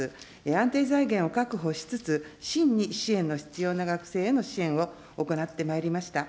安定財源を確保しつつ、真に支援の必要な学生への支援を行ってまいりました。